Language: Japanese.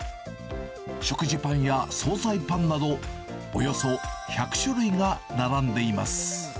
食事パンや総菜パンなど、およそ１００種類が並んでいます。